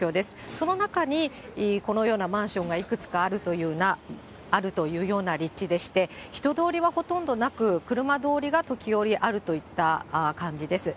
その中にこのようなマンションがいくつかあるというような立地でして、人通りはほとんどなく、車通りが時折あるといった感じです。